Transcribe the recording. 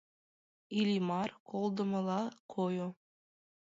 Иллимар колдымыла койо.